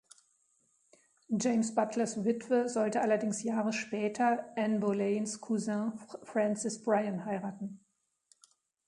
James Butlers Witwe sollte allerdings Jahre später Anne Boleyns Cousin Francis Bryan heiraten.